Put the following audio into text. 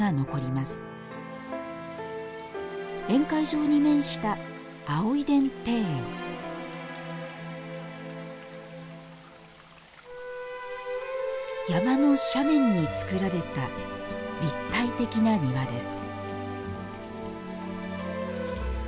宴会場に面した山の斜面につくられた立体的な庭です